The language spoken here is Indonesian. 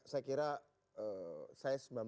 silakan silakan mas budiman